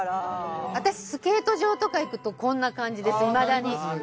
私スケート場とか行くとこんな感じです